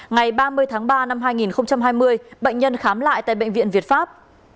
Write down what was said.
ngày ba mươi tháng ba năm hai nghìn hai mươi bệnh nhân khám lại tại bệnh viện việt pháp